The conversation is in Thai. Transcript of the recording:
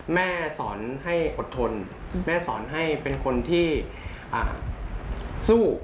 แม่สอนให้อดทนแม่สอนให้เป็นคนที่สู้